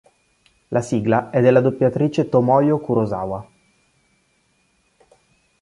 La sigla è della doppiatrice Tomoyo Kurosawa.